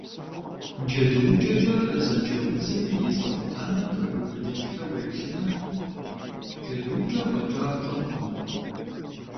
Джэдуукӏэкӏэ зэджэ удзым и зы къудамэ хэбубыдыкӏрэ уеплъмэ, джэдуукӏэ фӏэкӏа пщӏэнкъым.